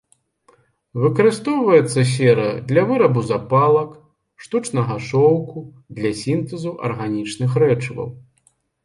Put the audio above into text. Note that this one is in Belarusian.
Выкарыстоўваецца сера для вырабу запалак, штучнага шоўку, для сінтэзу арганічных рэчываў.